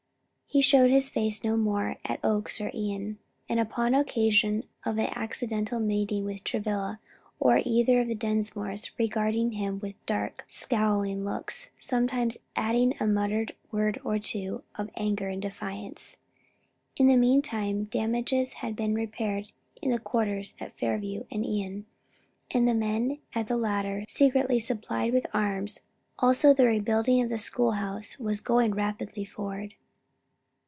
He showed his face no more at the Oaks or Ion, and upon occasion of an accidental meeting with Travilla or either of the Dinsmores, regarded him with dark, scowling looks, sometimes adding a muttered word or two of anger and defiance. In the meantime damages had been repaired in the quarters at Fairview and Ion, and the men at the latter, secretly supplied with arms; also the rebuilding of the school house was going rapidly forward.